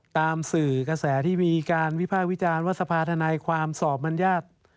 ตามสื่อกระแสที่มีการวิภาควิจารณ์ว่าสภาธนายความสอบบรรยาท